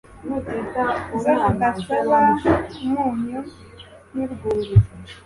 zo zidasaba umunyu n'urwuri